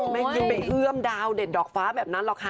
ไม่คิดไปเอื้อมดาวเด็ดดอกฟ้าแบบนั้นหรอกค่ะ